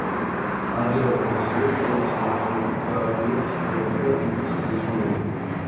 ადრეულ ასაკშივე თავისი მონაცემებით გააკვირვა მწვრთნელები და კლუბის ხელმძღვანელები.